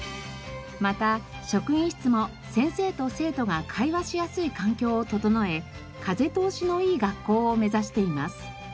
また職員室も先生と生徒が会話しやすい環境を整え風通しのいい学校を目指しています。